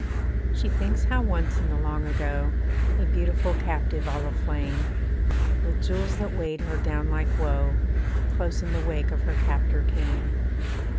She thinks how once in the Long Ago, A beautiful captive, all aflame With jewels that weighed her down like woe, Close in the wake of her captor came.